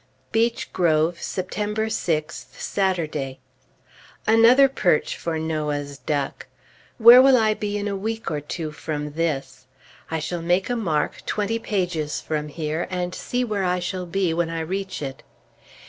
BEECH GROVE, September 6th, Saturday. Another perch for Noah's duck! Where will I be in a week or two from this? I shall make a mark, twenty pages from here, and see where I shall be when I reach it.